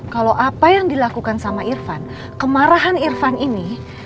kalau apa yang dilakukan sama irfan kemarahan irfan ini